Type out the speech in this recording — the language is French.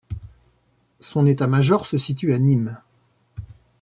Son état-major se situe à Nîmes.